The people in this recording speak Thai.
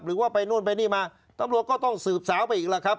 หรือว่าไปนู่นไปนี่มาตำรวจก็ต้องสืบสาวไปอีกแล้วครับ